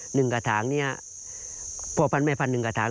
หนึ่งกระทางนี้พวกพันธุ์ไม่พันธุ์หนึ่งกระทาง